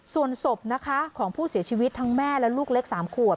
ส่วนศพนะคะของผู้เสียชีวิตทั้งแม่และลูกเล็ก๓ขวบ